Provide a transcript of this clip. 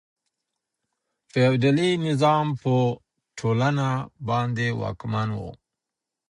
فیوډالي نظام په ټولنه باندې واکمن و.